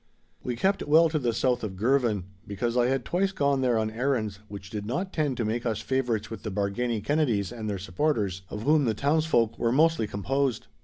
We kept well to the south of Girvan, because I had twice gone there on errands which did not tend to make us favourites with the Bargany Kennedies and their supporters, of whom the townsfolk were mostly composed.